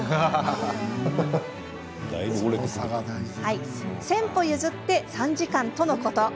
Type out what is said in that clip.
はい１，０００歩譲って３時間とのこと。